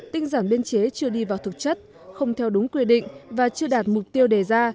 tinh giản biên chế chưa đi vào thực chất không theo đúng quy định và chưa đạt mục tiêu đề ra